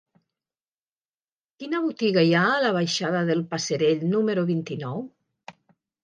Quina botiga hi ha a la baixada del Passerell número vint-i-nou?